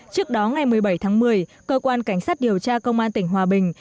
trước đó ngày một mươi bảy tháng một mươi cơ quan cảnh sát điều tra công an tỉnh hòa bình